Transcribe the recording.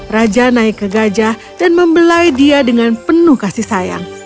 raja naik ke gajah dan membelai dia dengan penuh kasih sayang